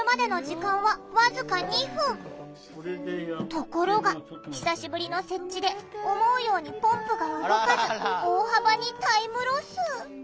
ところが久しぶりの設置で思うようにポンプが動かず大幅にタイムロス。